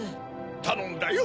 たのんだよ。